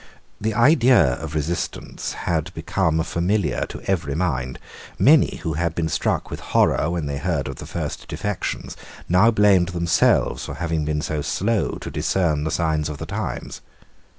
The idea of resistance had become familiar to every mind. Many who had been struck with horror when they heard of the first defections now blamed themselves for having been so slow to discern the signs of the times.